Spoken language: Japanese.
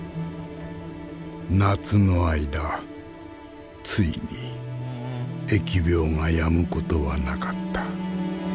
夏の間ついに疫病がやむことはなかった。